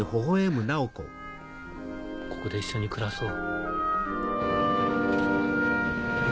ここで一緒に暮らそう。